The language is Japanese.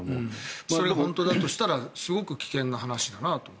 それが本当だとしたらすごく危険な話だなと。